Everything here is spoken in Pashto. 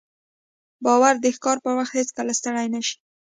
باز د ښکار پر وخت هیڅکله ستړی نه شي